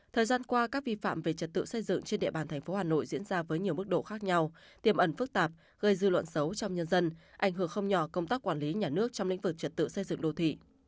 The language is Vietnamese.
thời gian qua các vi phạm về trật tự xây dựng trên địa bàn thành phố hà nội diễn ra với nhiều mức độ khác nhau tiềm ẩn phức tạp gây dư luận xấu trong nhân dân ảnh hưởng không nhỏ công tác quản lý nhà nước trong lĩnh vực trật tự xây dựng đô thị